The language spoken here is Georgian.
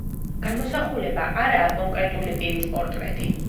გამოსახულება არაა კონკრეტული პირის პორტრეტი.